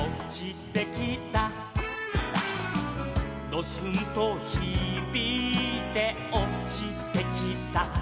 「ドスンとひびいておちてきた」